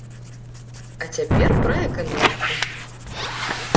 А цяпер пра эканоміку.